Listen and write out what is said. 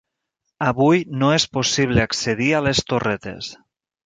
Avui no és possible accedir a les torretes.